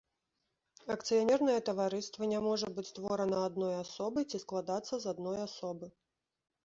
Акцыянернае таварыства не можа быць створана адной асобай ці складацца з адной асобы.